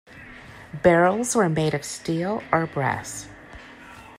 Barrels were made of steel or brass.